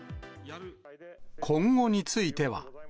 今後については。